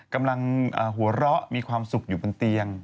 กำลังหัวเราะมีความสุขอยู่บนเตียง